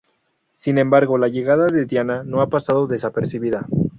Sin embargo, la llegada de Diana no ha pasado desapercibida.